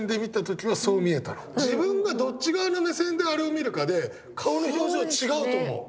自分がどっち側の目線であれを見るかで顔の表情違うと思う！